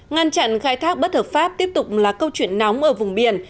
ngăn chặn khai thác bất hợp pháp tiếp tục là câu chuyện nóng ở vùng biển